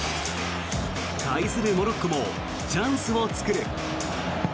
対するモロッコもチャンスを作る。